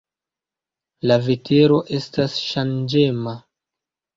La vetero estas ŝanĝema.